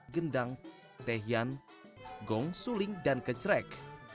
gendang tehian gong suling dan kecrek